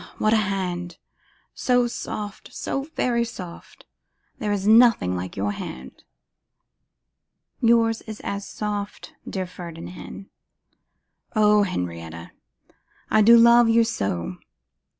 what a hand! so soft, so very soft! There is nothing like your hand.' 'Yours is as soft, dear Ferdinand.' 'O Henrietta! I do love you so!